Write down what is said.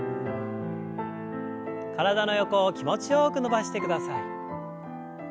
体の横を気持ちよく伸ばしてください。